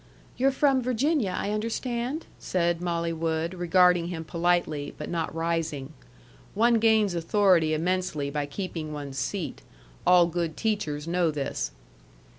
"You're from Virginia, I understand?" said Molly Wood, regarding him politely, but not rising. One gains authority immensely by keeping one's seat. All good teachers know this.